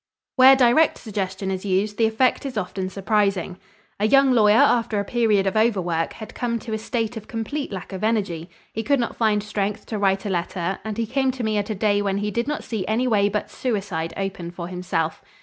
Where direct suggestion is used, the effect is often surprising. A young lawyer after a period of overwork had come to a state of complete lack of energy. He could not find strength to write a letter and he came to me at a day when he did not see any way but suicide open for himself.